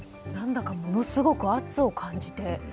何だかものすごく圧を感じて。